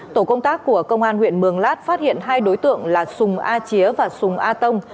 tổ công tác của công an huyện mường lát phát hiện hai đối tượng là sùng a chía và sùng a tông